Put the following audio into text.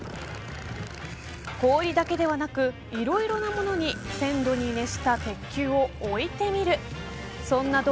氷だけではなくいろいろなものに１０００度に熱した鉄球を置いてみる